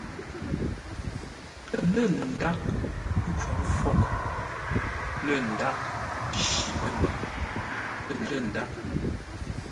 Lə̂ ndâghʼ ńkhwǒr fwôghʼ, lə̂ ndâghʼ shitə́ mbəʉ, lə̂ ndâghʼ.